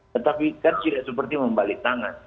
tetapi kan tidak seperti membalik tangan